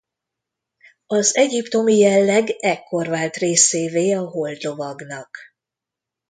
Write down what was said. Az egyiptomi jelleg ekkor vált részévé a Holdlovagnak.